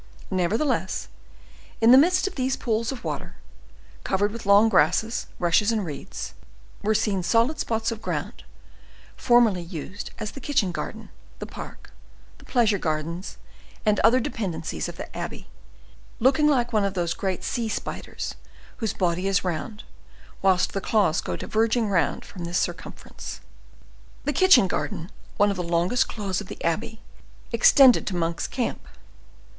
Nevertheless, in the midst of these pools of water, covered with long grass, rushes, and reeds, were seen solid spots of ground, formerly used as the kitchen garden, the park, the pleasure gardens, and other dependencies of the abbey, looking like one of those great sea spiders, whose body is round, whilst the claws go diverging round from this circumference. The kitchen garden, one of the longest claws of the abbey, extended to Monk's camp.